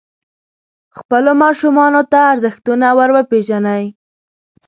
خپلو ماشومانو ته ارزښتونه وروپېژنئ.